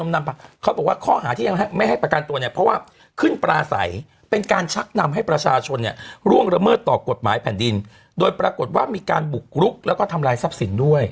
นี่มีสิหะโปะสระนี้มีคนนี้